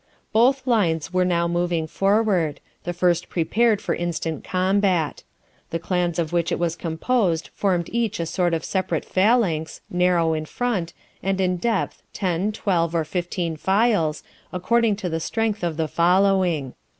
Both lines were now moving forward, the first prepared for instant combat. The clans of which it was composed formed each a sort of separate phalanx, narrow in front, and in depth ten, twelve, or fifteen files, according to the strength of the following.